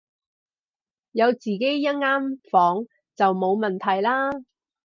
有自己一間房就冇問題啦